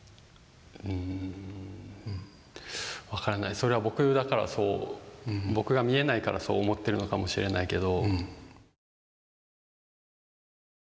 それは僕だからそう僕が見えないからそう思ってるのかもしれないけど。